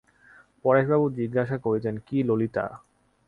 পরেশবাবু জিজ্ঞাসা করিতেন, কী ললিতা?